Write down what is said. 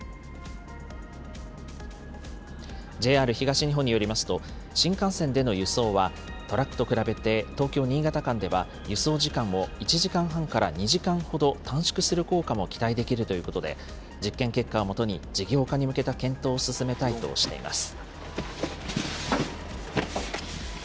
ＪＲ東日本によりますと、新幹線での輸送は、トラックと比べて東京・新潟間では、輸送時間を１時間半から２時間ほど短縮する効果も期待できるということで、実験結果をもとに事業化に向けた検討を進めたいとしています。